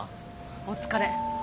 お疲れ。